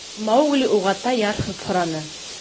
Маугли уғата ярһып һораны: